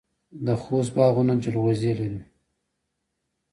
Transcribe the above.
د خوست باغونه جلغوزي لري.